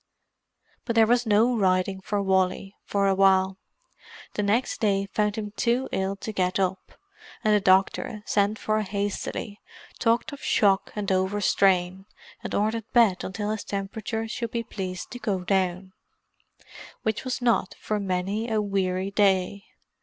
But there was no riding for Wally, for a while. The next day found him too ill to get up, and the doctor, sent for hastily, talked of shock and over strain, and ordered bed until his temperature should be pleased to go down: which was not for many a weary day.